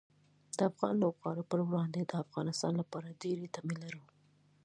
د افغان لوبغاړو پر وړاندې د افغانستان لپاره ډېرې تمې لرو.